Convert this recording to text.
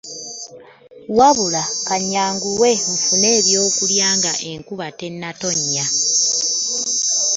Wabula kanyanguwe nfune ebyokulya nga enkuba tetnnatonnya .